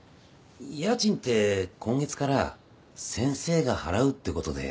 家賃って今月から先生が払うってことでいいんだよね？